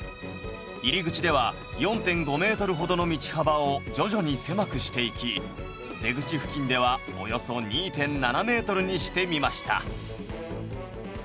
入り口では４．５メートルほどの道幅を徐々に狭くしていき出口付近ではおよそ２．７メートルにしてみました。